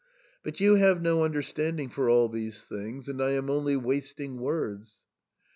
But you have no understanding for all these things, and I am only wasting words."